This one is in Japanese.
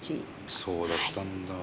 そうだったんだ。